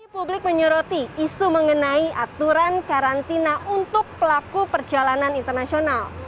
publik menyoroti isu mengenai aturan karantina untuk pelaku perjalanan internasional